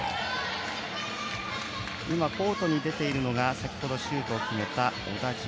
コートに出ているのが先ほどシュートを決めた小田島